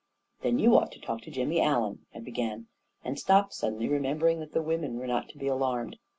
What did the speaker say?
44 Then you ought to talk to Jimmy Allen," I be gan, and stopped suddenly, remembering that the women were not to be alarmed.